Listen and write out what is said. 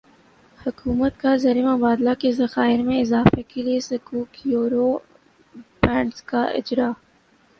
حکومت کازر مبادلہ کے ذخائر میں اضافے کےلیے سکوک یورو بانڈزکا اجراء